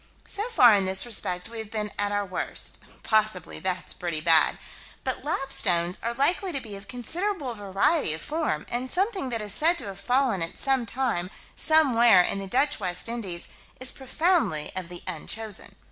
So far, in this respect, we have been at our worst possibly that's pretty bad but "lapstones" are likely to be of considerable variety of form, and something that is said to have fallen at sometime somewhere in the Dutch West Indies is profoundly of the unchosen.